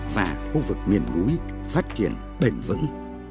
và khu vực miền núi phát triển bền vững